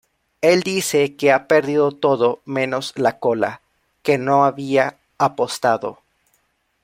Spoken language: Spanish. Él dice que ha perdido todo menos la cola, que no había apostado.